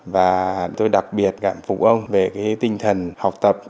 và tôi đặc biệt cảm phục ông về cái tinh thần học tập